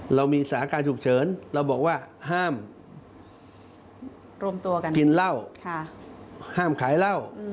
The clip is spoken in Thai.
เรามีสถาการณ์ถุเฉินเราบอกว่าห้ามกินเวลาห้ามขายเล่า